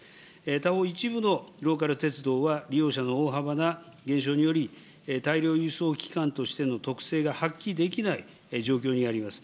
他方、一部のローカル鉄道は利用者の大幅な減少により、大量輸送機関としての特性が発揮できない状況にあります。